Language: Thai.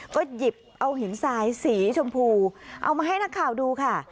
ก็หยิบเอาหินทรายสีชมพูเอามาให้นักข่าวดูค่ะ